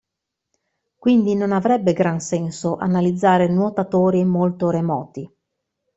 Quindi non avrebbe gran senso analizzare nuotatori molto remoti.